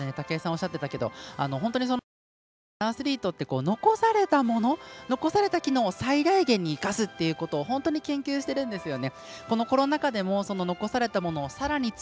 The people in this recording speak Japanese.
武井さんおっしゃってたけど本当にそのとおりでパラアスリートって残されたものを最大限に生かすということを本当に研究しているんですよね。